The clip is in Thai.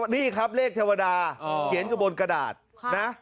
นี่ครับเลขเทวดาเขียนอยู่บนกระดาษนะ